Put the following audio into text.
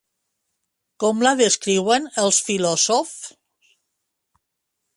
Com la descriuen els filòsofs?